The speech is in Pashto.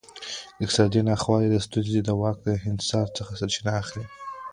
اقتصادي ناخوالې او ستونزې د واک له انحصار څخه سرچینه اخلي.